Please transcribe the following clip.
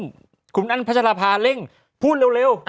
คุณกุมนั่นประชาภาเร่งพูดเร็ว